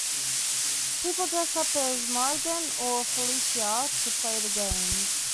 People dress up as Morrigan or Felicia to play the games.